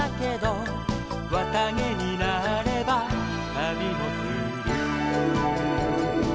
「わたげになればたびもする」